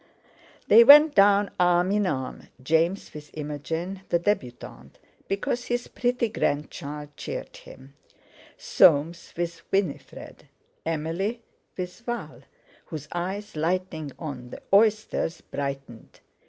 They went down arm in arm—James with Imogen, the debutante, because his pretty grandchild cheered him; Soames with Winifred; Emily with Val, whose eyes lighting on the oysters brightened.